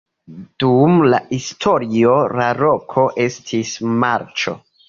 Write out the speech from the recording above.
Dum la historio la loko estis marĉo.